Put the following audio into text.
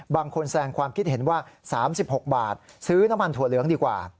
บางคนแสงความคิดเห็นว่า๓๖บาทซื้อน้ำมันถั่วเหลืองดีกว่า